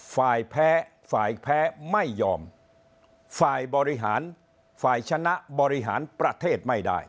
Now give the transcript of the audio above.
ฝ่ายแพ้ฝ่ายแพ้ไม่ยอมฝ่ายบริหารฝ่ายชนะบริหารประเทศไม่ได้